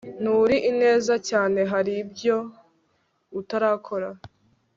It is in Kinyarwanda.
Nturi ineza cyane hari ibyo utarakora